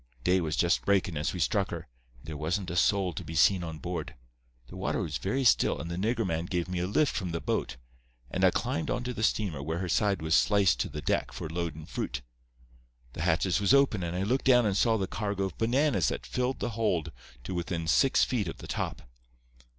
"Day was just breakin' as we struck her, and there wasn't a soul to be seen on board. The water was very still, and the nigger man gave me a lift from the boat, and I climbed onto the steamer where her side was sliced to the deck for loadin' fruit. The hatches was open, and I looked down and saw the cargo of bananas that filled the hold to within six feet of the top.